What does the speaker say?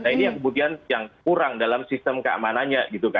ini yang kemudian yang kurang dalam sistem keamanannya